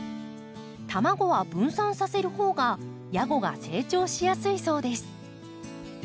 卵は分散させるほうがヤゴが成長しやすいそうです。